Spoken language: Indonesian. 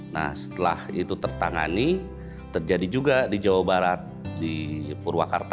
nah setelah itu tertangani terjadi juga di jawa barat di purwakarta